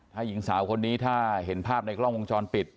ถ้าหญิงสาวคนนี้ถ้าเห็นภาพในกล้องวงจรปิด